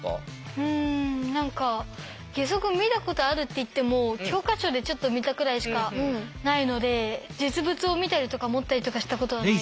うん何か義足見たことあるっていっても教科書でちょっと見たくらいしかないので実物を見たりとか持ったりとかしたことはないです。